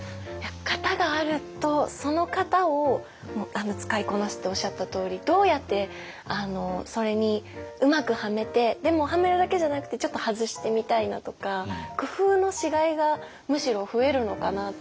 型があるとその型を使いこなすっておっしゃったとおりどうやってそれにうまくはめてでもはめるだけじゃなくてちょっと外してみたいなとか工夫のしがいがむしろ増えるのかなと。